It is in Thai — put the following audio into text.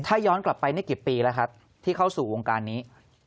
ถ้าย้อนกลับไปนี่กี่ปีแล้วครับที่เข้าสู่วงการนี้